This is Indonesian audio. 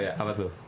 iya apa tuh